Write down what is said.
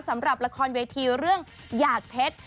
สำหรับละครเวทีเรื่องหยาดเพชร